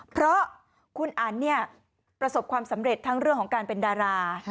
เพราะคุณอันเนี่ยประสบความสำเร็จทั้งเรื่องของการเป็นดารา